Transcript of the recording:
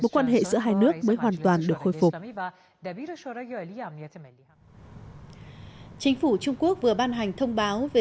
quan hệ giữa hai nước mới hoàn toàn được khôi phục chính phủ trung quốc vừa ban hành thông báo về